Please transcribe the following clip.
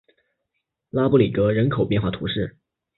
拉布里格人口变化图示